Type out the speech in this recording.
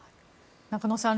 中野さん